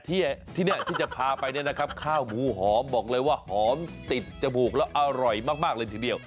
ที่นี่ที่จะพาไปเนี่ยนะครับข้าวหมูหอมบอกเลยว่าหอมติดจมูกแล้วอร่อยมากเลยทีเดียว